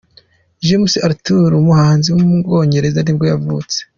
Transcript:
James Arthur, umuhanzi w’umwongereza nibwo yavutse.